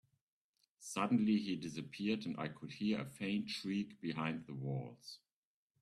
Suddenly, he disappeared, and I could hear a faint shriek behind the walls.